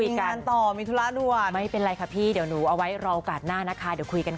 วิ่งเร็วไปเลยนะคะหายไปเลยนะคะเราก็เลยไม่ได้พูดคุยกัน